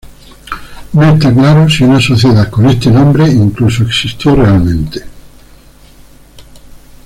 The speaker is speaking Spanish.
No está claro si una sociedad con este nombre incluso existió realmente.